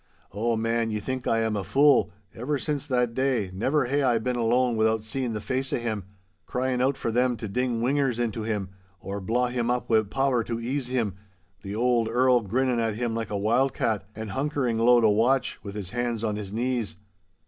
Oh, man, ye think I am a fool. Ever since that day, never hae I been alone without seeing the face o' him, crying out for them to ding whingers into him, or blaw him up wi' powder to ease him—the auld Earl girnin' at him like a wild cat, and hunkering low to watch, with his hands on his knees.